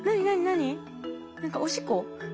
何かおしっこ？